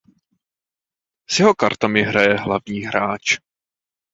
S jeho kartami hraje hlavní hráč.